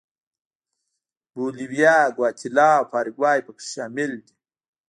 بولیویا، ګواتیلا او پاراګوای په کې شامل دي.